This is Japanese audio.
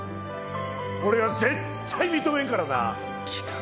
俺は絶対認めんからな。